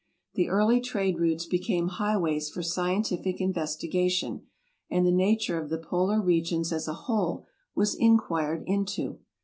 The early trade routes became highways for scientfic investigation, and the nature of the polar regions as a whole was inquired into.